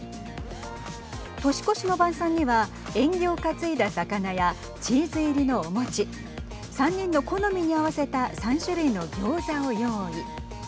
年越しの晩さんには縁起を担いだ魚やチーズ入りのお餅３人の好みに合わせた３種類のギョーザを用意。